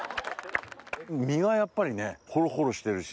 身がやっぱりホロホロしてるし。